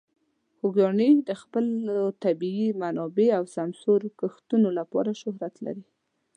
خوږیاڼي د خپلو طبیعي منابعو او سمسور کښتونو لپاره شهرت لري.